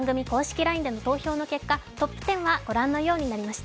ＬＩＮＥでの投票の結果、トップ１０はご覧のようになりました。